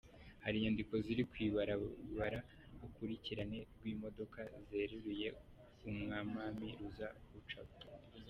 Hari inyandiko ziri kw’ibarabara urukurikirane rw’imodoka zireruye umwamami ruza gucako.